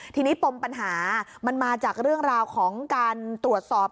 ทีนี้ปมปัญหามันมาจากเรื่องราวของการตรวจสอบ